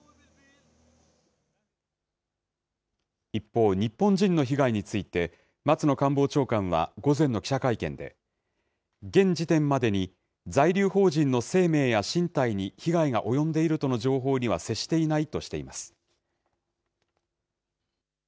一方、日本人の被害について、松野官房長官は午前の記者会見で、現時点までに在留邦人の生命や身体に被害が及んでいるとの情報には接していないとしています。